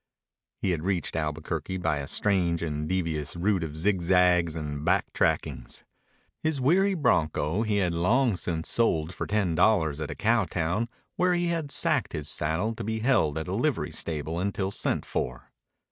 He had reached Albuquerque by a strange and devious route of zigzags and back trackings. His weary bronco he had long since sold for ten dollars at a cow town where he had sacked his saddle to be held at a livery stable until sent for.